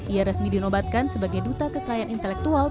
ia resmi dinobatkan sebagai duta kekayaan intelektual